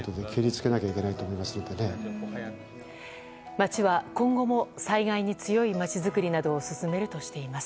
町は今後も災害に強い町づくりなどを進めるとしています。